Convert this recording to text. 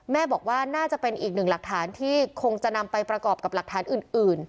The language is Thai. แม่บอกว่าน่าจะเป็นอีกหนึ่งหลักฐานที่คงจะนำไปประกอบกับหลักฐานอื่น